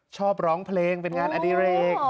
ชอบร้องเพลงเป็นงานอดิเรก